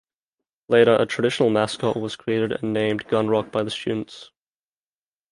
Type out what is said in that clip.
Later, a traditional mascot was created and named Gunrock by the students.